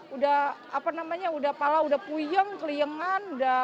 udah apa namanya udah pala udah puyeng keliengan